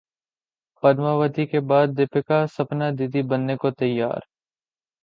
پدماوتی کے بعد دپیکا سپننا دی دی بننے کو تیار